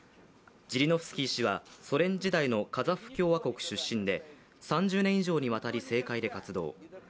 ジリノフスキー氏はソ連時代のカザフ共和国出身で３０年以上にわたり政界で活動。